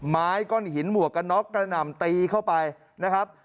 ไม้ก้อนหินหมวกกันน็อกกระหน่ำตีเข้าไปนะครับ